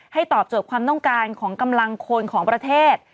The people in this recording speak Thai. ตอบโจทย์ความต้องการของกำลังคนของประเทศ